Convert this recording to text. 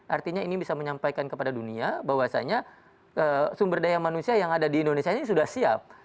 artinya ini bisa menyampaikan kepada dunia bahwasanya sumber daya manusia yang ada di indonesia ini sudah siap